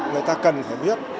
người ta cần phải biết